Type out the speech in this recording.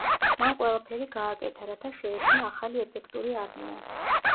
მან ყველაფერი გააკეთა, რათა შეექმნა ახალი ეფექტური არმია.